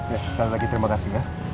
ya sekali lagi terima kasih ya